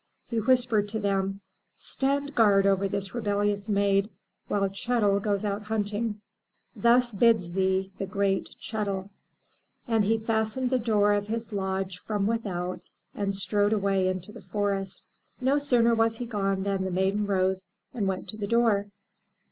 He whispered to them, "Stand guard over this rebellious maid while Chet'l goes out hunting. See that she smiles on no one. Thus bids thee the great Chet'l." And he fastened the door of his lodge from without and strode away into the forest. No sooner was he gone than the maiden rose and went to the door.